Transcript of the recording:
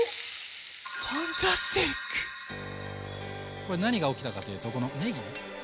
これ何が起きたかというとこのねぎね。